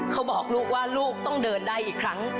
เขาบอกลูกว่าลูกต้องเดินได้อีกครั้ง